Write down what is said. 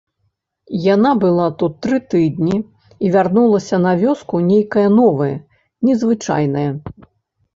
Яна была тут тры тыдні і вярнулася на вёску нейкая новая, незвычайная.